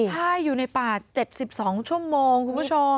ใช่อยู่ในป่า๗๒ชั่วโมงคุณผู้ชม